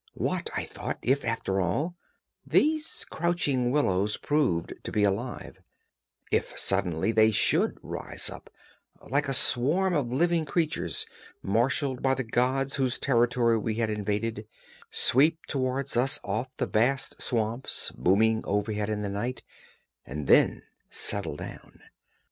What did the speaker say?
What, I thought, if, after all, these crouching willows proved to be alive; if suddenly they should rise up, like a swarm of living creatures, marshaled by the gods whose territory we had invaded, sweep towards us off the vast swamps, booming overhead in the night—and then _settle down!